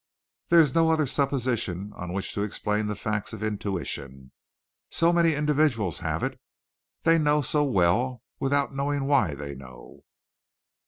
There is no other supposition on which to explain the facts of intuition. So many individuals have it. They know so well without knowing why they know.